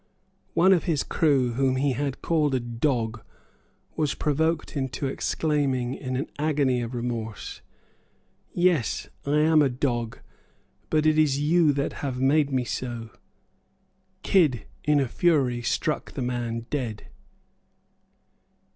One of his crew, whom he had called a dog, was provoked into exclaiming, in an agony of remorse, "Yes, I am a dog; but it is you that have made me so." Kidd, in a fury, struck the man dead.